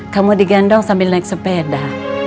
kamu digendong sambil naik sepeda